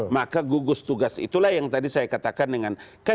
maka gugus tugas itulah yang tadi saya katakan dengan